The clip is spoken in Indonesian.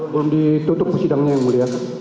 belum ditutup sidangnya yang mulia